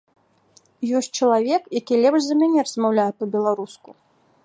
Ёсць чалавек, які лепш за мяне размаўляе па-беларуску.